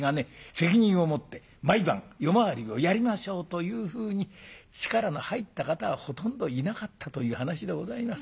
責任を持って毎晩夜回りをやりましょうというふうに力の入った方はほとんどいなかったという話でございます。